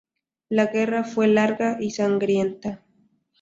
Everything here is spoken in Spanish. La guerra fue larga y sangrienta.